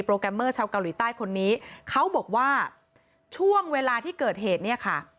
แกรมเมอร์ชาวเกาหลีใต้คนนี้เขาบอกว่าช่วงเวลาที่เกิดเหตุเนี่ยค่ะ